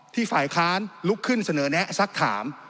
ฝ่ายค้านลุกขึ้นเสนอแนะสักถาม